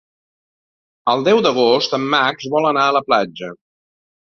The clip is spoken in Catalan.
El deu d'agost en Max vol anar a la platja.